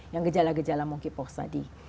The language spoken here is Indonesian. yang gejala gejala monkeypox tadi